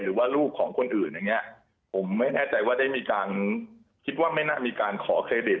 หรือว่าลูกของคนอื่นอย่างเงี้ยผมไม่แน่ใจว่าได้มีการคิดว่าไม่น่ามีการขอเครดิต